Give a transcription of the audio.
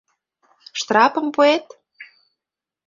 Штрапым пуэт?